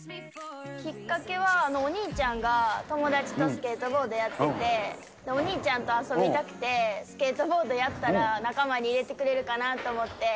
きっかけはお兄ちゃんが友達とスケートボードやってて、お兄ちゃんとあそびたくてスケートボードやったら仲間に入れてくれるかなと思って。